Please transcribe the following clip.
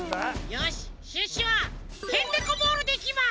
よしシュッシュはヘンテコボールでいきます！